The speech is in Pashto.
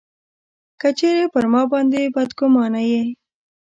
که چېرې پر ما باندي بدګومانه یې.